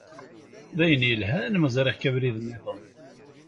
D ayen yelhan ma ẓṛiɣ-k abrid-nniḍen.